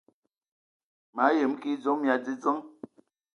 Ma yəm kig edzom mia dzədzəŋ.